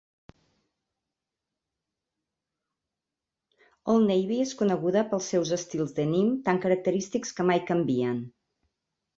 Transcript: Old Navy és coneguda pels seus estils denim tan característics que mai canvien.